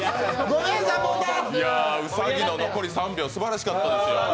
兎の残り３秒すばらしかったですよ。